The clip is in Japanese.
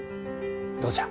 どうじゃ？